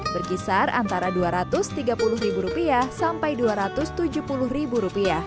berkisar antara rp dua ratus tiga puluh sampai rp dua ratus tujuh puluh